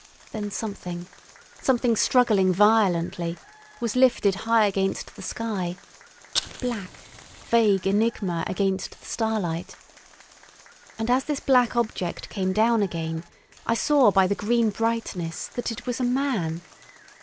Then something—something struggling violently—was lifted high against the sky, a black, vague enigma against the starlight; and as this black object came down again, I saw by the green brightness that it was a man.